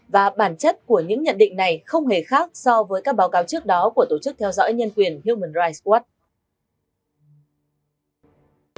và bản chất của những nhận định này không hề khác so với các báo cáo trước đó của tổ chức theo dõi nhân quyền human rights watch